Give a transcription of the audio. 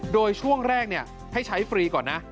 โดยช่วงแรกให้ใช้ฟรีก่อนนะ